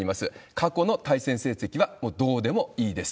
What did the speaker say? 過去の対戦成績は、もうどうでもいいです。